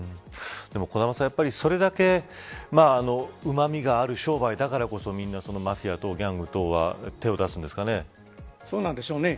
小玉さん、それだけうまみがある商売だからこそみんなマフィアやギャング等は手を出すんですかね。